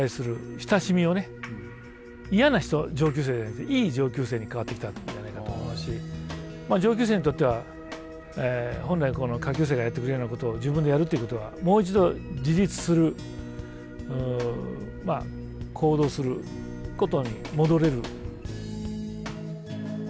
嫌な上級生じゃなくていい上級生に変わってきたんじゃないかと思うし上級生にとっては本来下級生がやってくれるようなことを自分でやるということはもう一度自立するまあ行動することに戻れる。